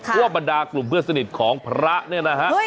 ชั่วบรรดากลุ่มเพื่อนสนิทของพระนี่นะฮะ